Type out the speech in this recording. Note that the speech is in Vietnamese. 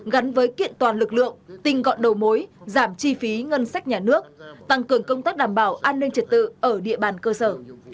gắn với kiện toàn lực lượng tinh gọn đầu mối giảm chi phí ngân sách nhà nước tăng cường công tác đảm bảo an ninh trật tự ở địa bàn cơ sở